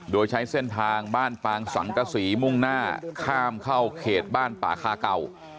โดยใช้เส้นทางบ้านปางสังกษีมุ่งหน้าข้ามเข้าเขตบ้านป่าคาเก่า